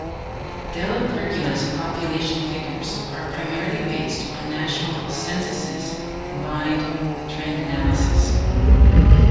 DellaPergola's population figures are primarily based on national censuses combined with trend analysis.